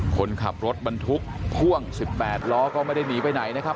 คนขับรถบรรทุกพ่วง๑๘ล้อก็ไม่ได้หนีไปไหนนะครับ